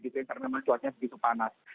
karena memang cuacanya begitu panas